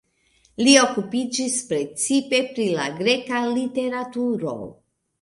Li okupiĝis precipe pri la greka literaturo.